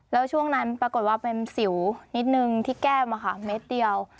แล้วช่วงนั้นปรากฏว่าเป็นสิวนิดนึงที่แก้มค่ะเม็ดเดียว